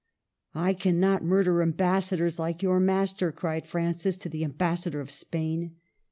'' I cannot mur der ambassadors like your Master !" cried Francis to the Ambassador of Spain.